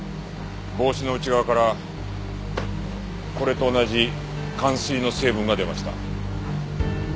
帽子の内側からこれと同じかん水の成分が出ました。